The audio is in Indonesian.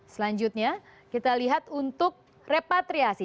selanjutnya kita lihat untuk repatriasi